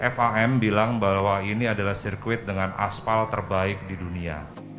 fam bilang bahwa ini adalah sirkuit dengan aspal terbaik di dunia